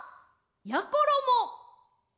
やころも！